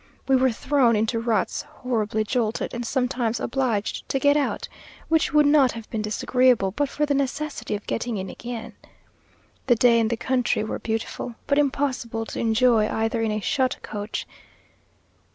We were thrown into ruts, horribly jolted, and sometimes obliged to get out, which would not have been disagreeable but for the necessity of getting in again. The day and the country were beautiful, but impossible to enjoy either in a shut coach.